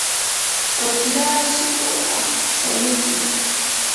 awilaa suqu aqtsayuqmi.